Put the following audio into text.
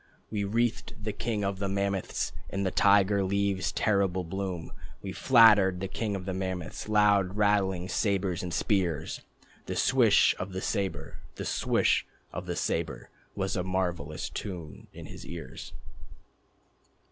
We wreathed the king of the mammoths In the tiger leaves' terrible bloom. We flattered the king of the mammoths, Loud rattling sabres and spears. The swish of the sabre, The swish of the sabre, Was a marvellous tune in his ears.